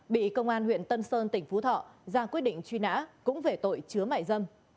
bị công an huyện tân sơn tỉnh phú thọ ra quyết định truy nã cũng về tội chứa mại dâm